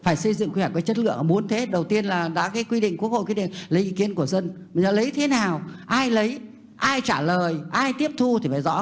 phải xây dựng quy hoạch có chất lượng muốn thế đầu tiên là đã quy định quốc hội quy định lấy ý kiến của dân lấy thế nào ai lấy ai trả lời ai tiếp thu thì phải rõ